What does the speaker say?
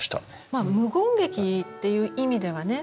まあ無言劇っていう意味ではね